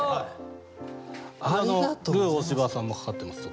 ルー大柴さんもかかってます